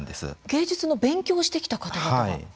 芸術の勉強をしてきた方々？